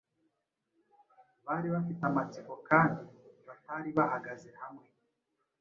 bari bafite amatsiko kandi batari bahagaze hamwe,